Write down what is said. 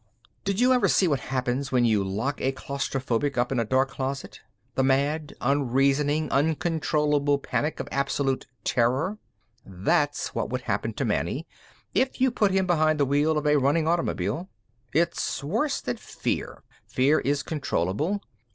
Did you ever see what happens when you lock a claustrophobe up in a dark closet the mad, unreasoning, uncontrollable panic of absolute terror? That's what would happen to Manny if you put him behind the wheel of a running automobile. It's worse than fear; fear is controllable.